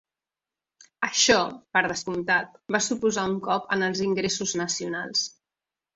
Això, per descomptat, va suposar un cop en els ingressos nacionals.